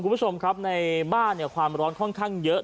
คุณผู้ชมครับในบ้านความร้อนค่อนข้างเยอะ